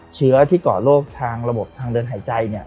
เชื้อที่ก่อโรคทางระบบทางเดินหายใจ